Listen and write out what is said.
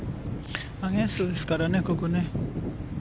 アゲンストですからねここね。